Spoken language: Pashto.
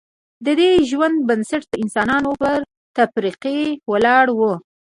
ددې ژوند بنسټ د انسانانو پر تفرقې ولاړ و